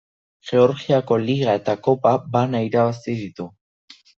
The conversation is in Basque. Georgiako Liga eta Kopa bana irabazi ditu.